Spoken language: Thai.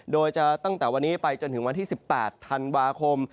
โดยจะตั้งแต่วันนี้ไปจนถึงวันที่๑๘ธันวาคม